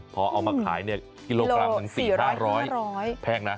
เพราะเอาวะขายกิโลกรัม๔๐๐๕๐๐บาทแพงน่ะ